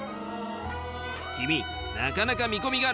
君なかなか見込みがあるな。